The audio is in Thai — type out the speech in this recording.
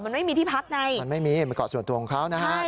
มันไม่มีที่พักไงมันไม่มีมันเกาะส่วนตัวของเขานะฮะ